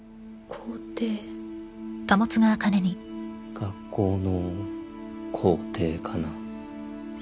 校庭学校の校庭かな？